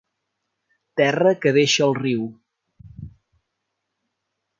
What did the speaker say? Terra que deixa el riu.